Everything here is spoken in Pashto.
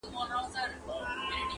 يو يې دا وو له سلگونو رواجونو،